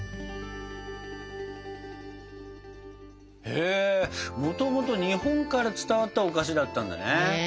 へもともと日本から伝わったお菓子だったんだね。